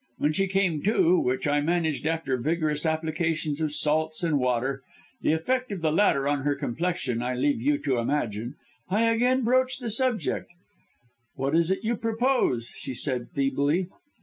When she came to, which I managed after vigorous application of salts and water the effects of the latter on her complexion I leave you to imagine I again broached the subject. "'What is it you propose?' she said feebly.